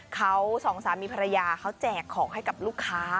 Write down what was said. เขาสองสามีภรรยาเขาแจกของให้กับลูกค้า